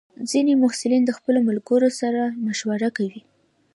ځینې محصلین د خپلو ملګرو سره مشوره کوي.